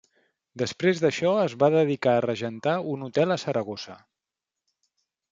Després d'això es va dedicar a regentar un hotel a Saragossa.